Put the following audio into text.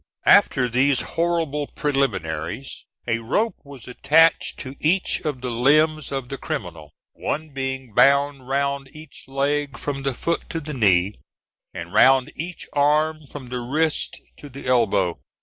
] After these horrible preliminaries, a rope was attached to each of the limbs of the criminal, one being bound round each leg from the foot to the knee, and round each arm from the wrist to the elbow.